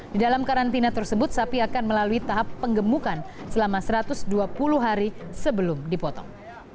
di dalam karantina tersebut sapi akan melalui tahap penggemukan selama satu ratus dua puluh hari sebelum dipotong